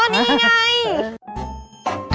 อ๋อนี่ไง